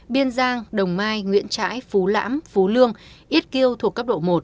biên giang đồng mai nguyễn trãi phú lãm phú lương ít kiêu thuộc cấp độ một